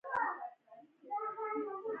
• لمر د ژوند د تحولاتو لپاره یو محرک دی.